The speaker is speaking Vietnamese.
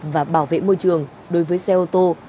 và bảo vệ môi trường đối với xe ô tô